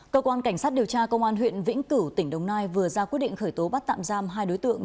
cơ quan cảnh sát điều tra công an huyện vĩnh cửu tỉnh đồng nai vừa ra quyết định khởi tố bắt tạm giam hai đối tượng